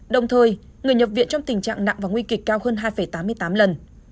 đồng thời người nhập viện trong tình trạng nặng và nguy kịch cao hơn hai tám mươi tám lần